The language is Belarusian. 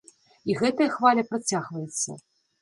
І гэтая хваля працягваецца.